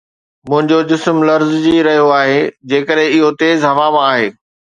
منهنجو جسم لرزجي رهيو آهي جيڪڏهن اهو تيز هوا مان آهي